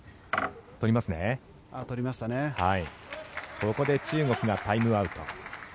ここで中国がタイムアウト。